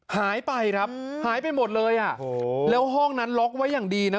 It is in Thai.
หายไปครับหายไปหมดเลยอ่ะโอ้โหแล้วห้องนั้นล็อกไว้อย่างดีนะ